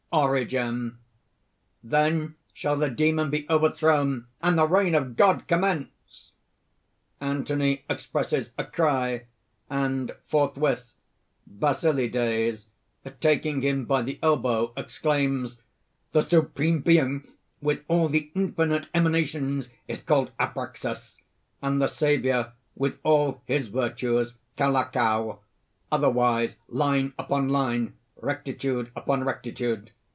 ORIGEN. "Then shall the Demon be over thrown and the reign of God commence!" (Anthony expresses a cry, and forthwith) BASILIDES (taking him by the elbow, exclaims: ) "The Supreme Being with all the infinite emanations is called Abraxas; and the Saviour with all his virtues, Kaulakau otherwise, line upon line, rectitude upon rectitude.